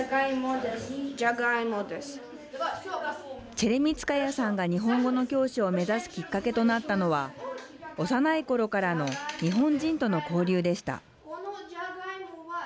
チェレミツカヤさんが日本語の教師を目指すきっかけとなったのは幼いころからの日本人との交流でした。